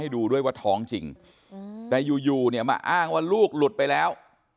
ดูด้วยว่าท้องจริงแต่อยู่เนี่ยมาอ้างว่าลูกหลุดไปแล้ว